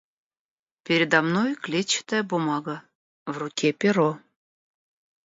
Передо мной клетчатая бумага, в руке перо.